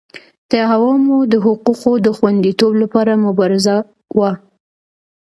د عوامو د حقوقو د خوندیتوب لپاره مبارزه وه.